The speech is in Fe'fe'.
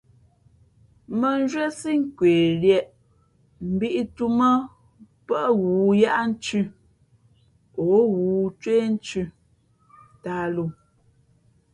Mᾱ nzhwésí kweliēʼ mbīʼtǔmᾱ pάʼ ghoōyaʼthʉ̄ o ghoōcwéénthʉ tāhlǒ.